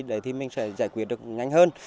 để thì mình sẽ giải quyết được nhanh hơn